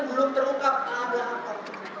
belum terluka ada apa